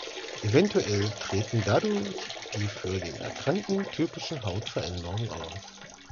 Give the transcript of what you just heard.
Eventuell treten dadurch die für den Erkrankten typischen Hautveränderungen auf.